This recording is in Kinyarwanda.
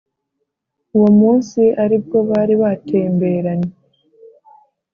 uwo munsi ari bwo bari batemberanye